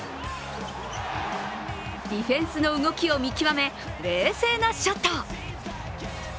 ディフェンスの動きを見極め冷静なショット。